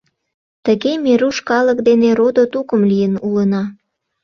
Тыге ме руш калык дене родо-тукым лийын улына.